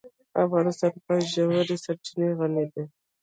افغانستان په ژورې سرچینې غني دی.